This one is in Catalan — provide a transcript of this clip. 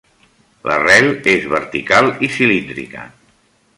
L'arrel és vertical i cilíndrica.